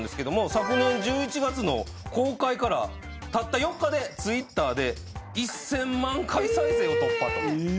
昨年１１月の公開からたった４日でＴｗｉｔｔｅｒで１，０００万回再生を突破と。